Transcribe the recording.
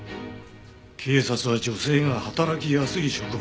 警察は女性が働きやすい職場だ。